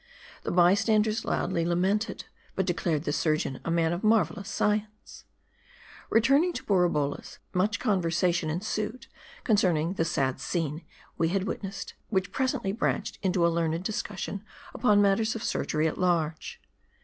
The bystanders loudly lamented ; but declared the surgeon a man of marvelous science. 340 M A R D I. Returning to Borabolla's, much conversation ensued, con cerning the sad scene we had witnessed, which presently branched into a learned discussion upon matters of surgery at large.